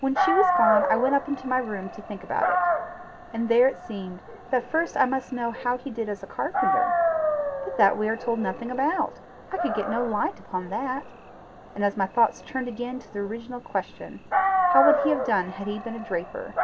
When she was gone, I went up to my room to think about it. And there it seemed that first I must know how he did as a carpenter. But that we are told nothing about. I could get no light upon that. And so my thoughts turned again to the original question. How would he have done had he been a draper?